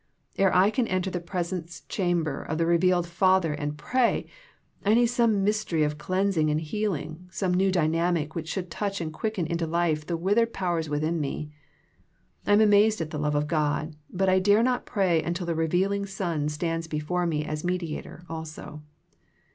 Ere I can enter the presence chamber of the revealed Father and pray, I need some mystery of cleansing and heal ing, some new dynamic which should touch and quicken into life the withered powers within me. I am amazed at the love of God, but I dare not pray until the revealing Son stands before me as Mediator also.